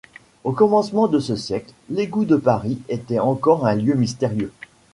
Au commencement de ce siècle, l’égout de Paris était encore un lieu mystérieux.